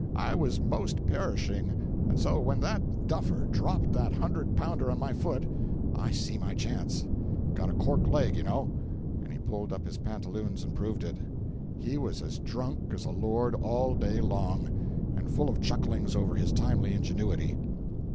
I was most perishing—and so, when that duffer dropped that hundred pounder on my foot, I see my chance. Got a cork leg, you know!" and he pulled up his pantaloons and proved it. He was as drunk as a lord all day long, and full of chucklings over his timely ingenuity.